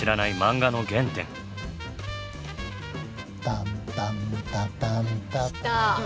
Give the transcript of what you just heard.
タンタンタタンタタン来た！